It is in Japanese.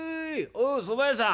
「おうそば屋さん！」。